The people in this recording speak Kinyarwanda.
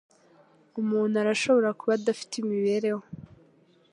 Umuntu arashobora kubaho adafite imibereho?